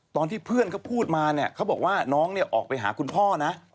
ตอนที่เพื่อนเขาพูดมาเขาบอกว่าน้องออกไปหาคุณพ่อนะ